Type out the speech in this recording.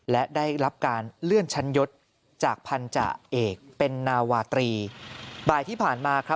และได้รับการเลื่อนชั้นยศจากพันธาเอกเป็นนาวาตรีบ่ายที่ผ่านมาครับ